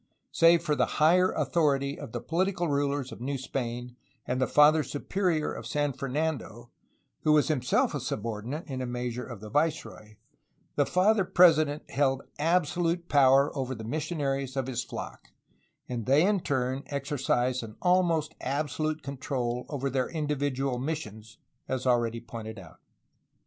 Save for the higher authority of the political rulers of New Spain and the Father Superior of San Fernando (who was himself a subordinate, in a measure, of the viceroy), the Father President held absolute power over the missionaries of his flock, and they in turn exercised an almost absolute control over their individual missions, as already pointed out.